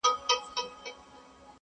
سړي ښخ کئ سپي د کلي هدیره کي,